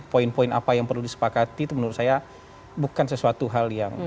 poin poin apa yang perlu disepakati itu menurut saya bukan sesuatu hal yang